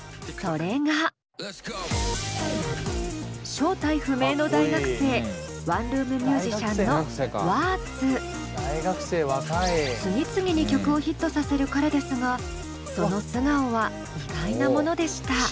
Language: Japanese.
それが正体不明の大学生ワンルーム☆ミュージシャンの次々に曲をヒットさせる彼ですがその素顔は意外なものでした。